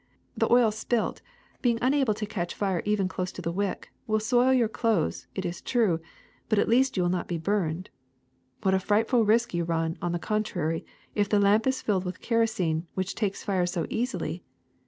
The oil spilt, being unable to catch fire even close to the wick, will soil your clothes, it is true, but at least you will not be burned. What a fright ful risk you run, on the contrary, if the lamp is filled with kerosene, which takes fire so easily!